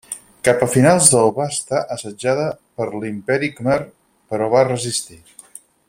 Cap a finals del va estar assetjada per l'Imperi Khmer, però va resistir.